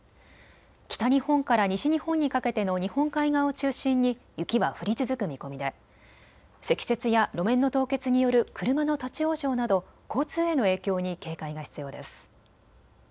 北日本から西日本にかけての日本海側を中心に雪は降り続く見込みで積雪や路面の凍結による車の立往生など交通への影響に警戒が必要です。